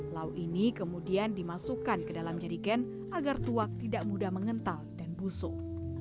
lau ini kemudian dimasukkan ke dalam jerigen agar tuak tidak mudah mengental dan busuk